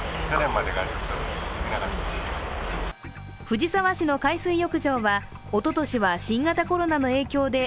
藤沢市の海水浴場はおととしは新型コロナの影響で